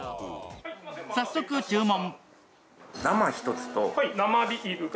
早速、注文。